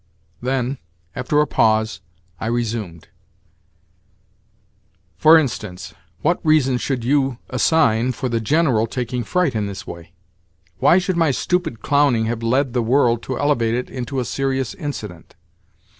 Then, after a pause, I resumed: "For instance, what reason should you assign for the General taking fright in this way? Why should my stupid clowning have led the world to elevate it into a serious incident?